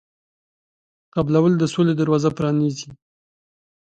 قبلول د سولې دروازه پرانیزي.